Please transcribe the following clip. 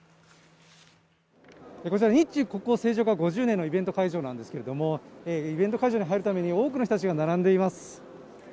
５０年のイベント会場なんですけれども、イベント会場に入るために多くの人たちが並んでいます。